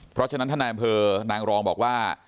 เพราะฉะนั้นท่านนายอำเภอนางรองบอกว่า